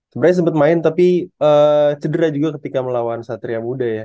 sebenarnya sempat main tapi cedera juga ketika melawan satria muda ya